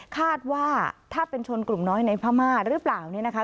คาดว่าถ้าเป็นชนกลุ่มน้อยในพม่าหรือเปล่าเนี่ยนะคะ